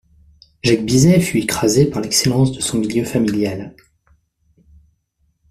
Jacques Bizet fut écrasé par l'excellence de son milieu familial.